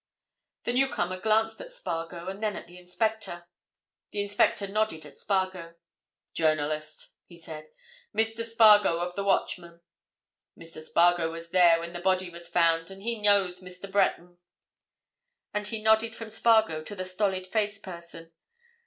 The newcomer glanced at Spargo, and then at the inspector. The inspector nodded at Spargo. "Journalist," he said, "Mr. Spargo of the Watchman. Mr. Spargo was there when the body was found. And he knows Mr. Breton." Then he nodded from Spargo to the stolid faced person.